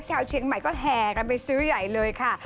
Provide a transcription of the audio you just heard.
ชาวเชียงใหม่ก็แห่กันไปซื้อใหญ่เลยค่ะ